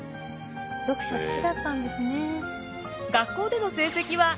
読書好きだったんですね。